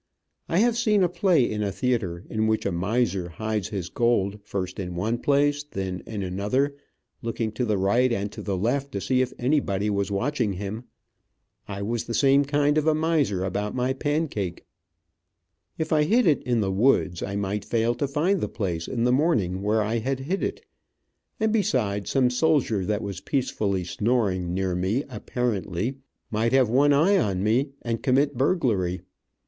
I have seen a play in a theater in which a miser hides his gold, first in one place, then in another, looking to the right and to the left to see if anybody was watching him. I was the same kind of a miser about my pancake. If I hid it in the woods I might fail to find the place, in the morning, where I had hid it, and besides, some soldier that was peacefully snoring near me, apparently, might have one eye on me, and commit burglary.